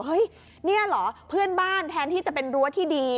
เฮ้ยนี่เหรอเพื่อนบ้านแทนที่จะเป็นรั้วที่ดี